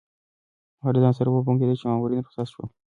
هغه له ځان سره وبونګېده چې مامورین رخصت شول.